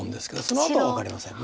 そのあとは分かりません。